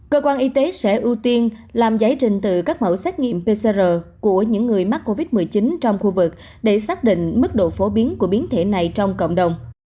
cơ quan y tế sẽ ưu tiên làm giải trình từ các mẫu xét nghiệm pcr của những người mắc covid một mươi chín trong khu vực để xác định mức độ phổ biến của biến thể này trong cộng đồng